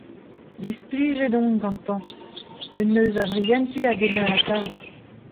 Displijet on gantañ, un neuz a vrientin a gemer atav.